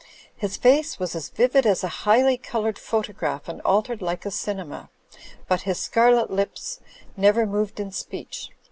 His face was as vivid as a highly coloured photograph and altered like a cinema: but his scarlet lips never moved in speech.